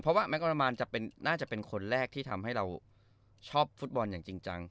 เพราะว่าแกรมานน่าจะเป็นคนแรกที่ทำให้เราชอบฟุตบอลอย่างจริงจัง